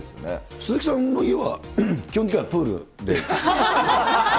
鈴木さんの家は、基本的にはプールで？